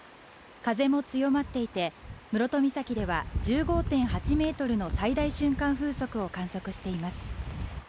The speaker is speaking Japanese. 風も強まっていて室戸岬では１５．８メートルの最大瞬間風速を観測しています